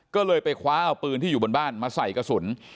ก็เลยไปคว้าเอาปืนที่อยู่บนบ้านมาใส่กระสุน